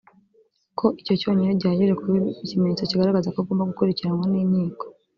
ko icyo cyonyine gihagije kuba ikimenyetso kigaragaza ko agomba gukurikiranwa n’inkiko